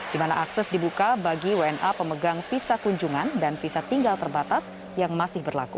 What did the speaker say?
di mana akses dibuka bagi wna pemegang visa kunjungan dan visa tinggal terbatas yang masih berlaku